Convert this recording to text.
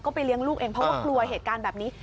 ไปเลี้ยงลูกเองเพราะว่ากลัวเหตุการณ์แบบนี้